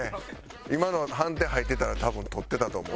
今の判定入ってたら多分取ってたと思う。